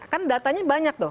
kan datanya banyak tuh